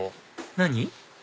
何？